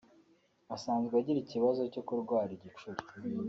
asanzwe agira ikibazo cyo kurwara igicuri